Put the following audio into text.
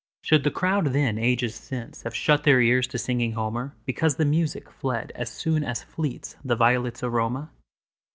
Should the crowd then, ages since, Have shut their ears to singing Homer, Because the music fled as soonAs fleets the violets' aroma?